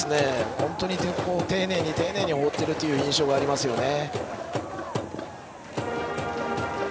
本当に丁寧に放っているという印象がありますよね。